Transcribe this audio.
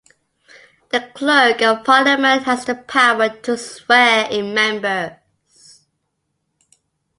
The Clerk of the Parliament has the power to swear in members.